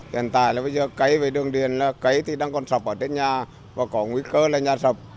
hiện tại là bây giờ cây về đường điện cấy thì đang còn sập ở trên nhà và có nguy cơ là nhà sập